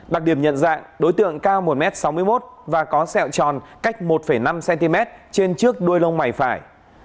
đặc điểm nhận dạng đối tượng cao một m sáu mươi một và có xeo tròn cách một năm cm trên trước đôi lông mảy phải